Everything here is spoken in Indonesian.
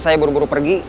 saya buru buru pergi